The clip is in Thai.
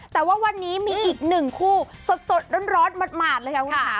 แต่ว่าวันนี้มีอีกหนึ่งคู่สดร้อนหมาดเลยค่ะคุณค่ะ